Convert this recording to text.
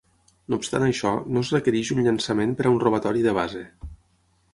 No obstant això, no es requereix un llançament per a un robatori de base.